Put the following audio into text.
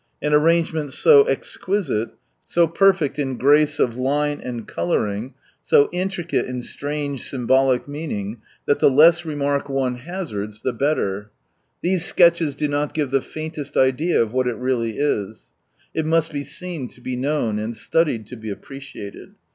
An arrangement so exquisite, so perfect in grace of line and colouring, so intricate in strange symbolic meaning, that the less remark one hazards, the better. These sketches do not give the faintest idea of what it really is. It must be seen, to be known, and studied to be appreciated.